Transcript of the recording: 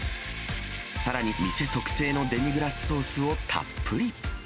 さらに店特製のデミグラスソースをたっぷり。